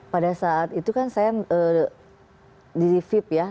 pada saat itu kan saya di feed ya